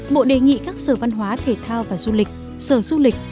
bộ đề nghị các sở văn hóa thể thao và du lịch sở du lịch